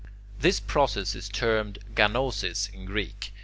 This process is termed [Greek: ganosis] in Greek.